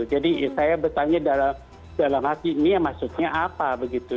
jadi saya bertanya dalam hati ini ya maksudnya apa begitu